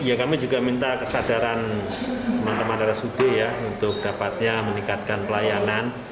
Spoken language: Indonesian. ya kami juga minta kesadaran teman teman rsud ya untuk dapatnya meningkatkan pelayanan